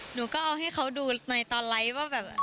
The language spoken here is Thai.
หนูก็เอาให้เขาดูในตอนไลค์ว่าแบบ